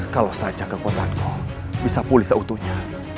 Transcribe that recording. kalau saja kekuatanku bisa pulih seutuhnya